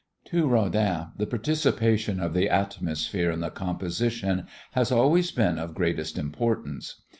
To Rodin the participation of the atmosphere in the composition has always been of greatest importance.